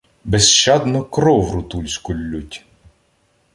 Безщадно кров рутульську ллють.